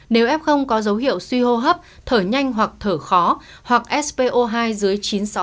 nếu f có dấu hiệu suy hô hấp thở nhanh hoặc thở khó hoặc spo hai dưới chín trăm sáu mươi